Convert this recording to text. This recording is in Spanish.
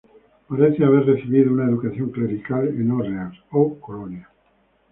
Parece haber recibido una educación clerical en Orleans o Colonia.